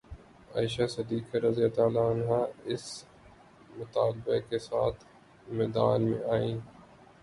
عائشہ Siddiqa رض اس مطالبہ کے ساتھ میدان میں آئیں